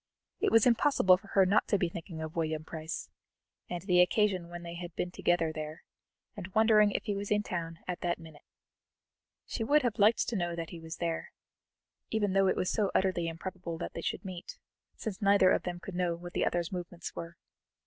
It was impossible for her not to be thinking of William Price, and the occasion when they had been together there, and wondering if he was in town at that minute. She would have liked to know that he was, even though it was so utterly improbable that they should meet, since neither of them could know what the other's movements were.